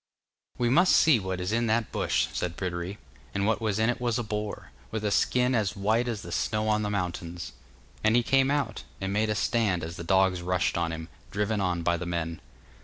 'We must see what is in that bush,' said Pryderi, and what was in it was a boar, with a skin as white as the snow on the mountains. And he came out, and made a stand as the dogs rushed on him, driven on by the men.